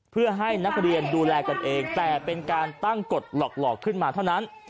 เพื่อให้นักเรียนดูแลกันเองแต่เป็นการตั้งกฎหลอกขึ้นมาเท่านั้น